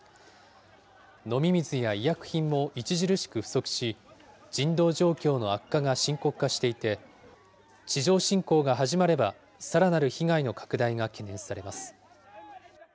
飲み水や医薬品も著しく不足し、人道状況の悪化が深刻化していて、地上侵攻が始まればさらなる被害の拡大が懸念されます。